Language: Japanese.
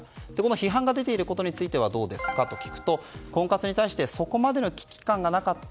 批判が出ていることについてはどうですかと婚活に対してそこまでの危機感がなかった。